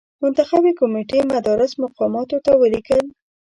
منتخبي کمېټې مدراس مقاماتو ته ولیکل.